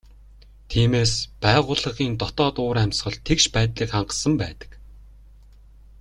Тиймээс байгууллагын дотоод уур амьсгал тэгш байдлыг хангасан байдаг.